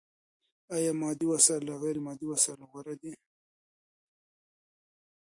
ايا مادي وسايل له غير مادي وسايلو غوره دي؟